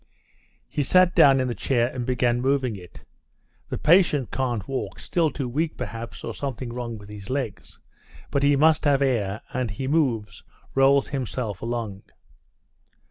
He sat down in the chair and began moving it. "The patient can't walk—still too weak, perhaps, or something wrong with his legs, but he must have air, and he moves, rolls himself along...."